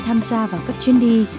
tham gia vào các chuyến đi